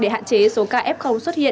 để hạn chế số ca f xuất hiện